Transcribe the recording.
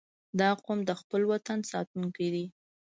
• دا قوم د خپل وطن ساتونکي دي.